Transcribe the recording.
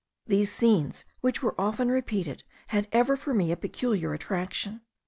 These scenes, which were often repeated, had ever for me a peculiar attraction.